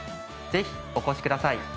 ぜひお越しください。